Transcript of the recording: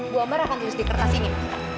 bu amber akan tulis di kertas ini